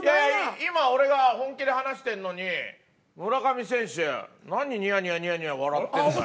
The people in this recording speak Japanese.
今俺が本気で話してんのに村上選手何ニヤニヤ笑ってんだよ。